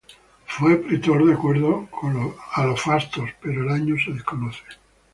Fue pretor, de acuerdo a los fastos, pero el año se desconoce.